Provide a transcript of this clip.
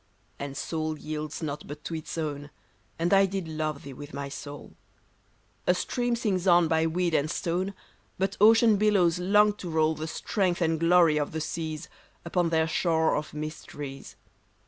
And soul yields not but to its own ; And I did love thee wdth my soul ; A stream sings on by weed and stone, But ocean billows long to roll The strength and glory of the .seas, Upon their shore of mysteries.